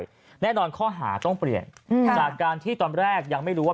แน่นอนข้อหาต้องเปลี่ยนจากการที่ตอนแรกยังไม่รู้ว่า